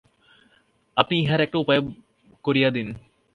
আপনি ইহার একটা উপায় করিয়া দিন।